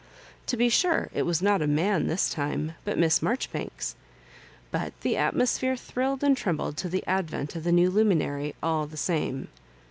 To be sure, it was not a man this time, but Miss Mar joribanks; but the atmosphere thrilled and trembled to the advent of the new luminary all the same.